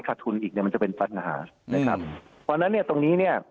ขาดทุนอีกมันจะเป็นสั้นหาเลยครับเพราะฉะนั้นตรงนี้